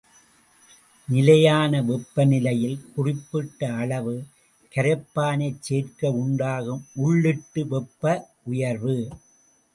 நிலையான வெப்பநிலையில் குறிப்பிட்ட அளவு கரைப்பானைச் சேர்க்க உண்டாகும் உள்ளிட்டு வெப்ப உயர்வு.